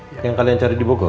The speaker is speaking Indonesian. yang kalian cari di bogor